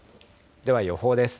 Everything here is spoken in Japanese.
では、予報です。